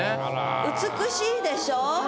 美しいでしょ？